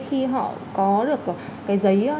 khi họ có được cái giấy